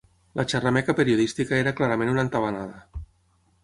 La xerrameca periodística era clarament una entabanada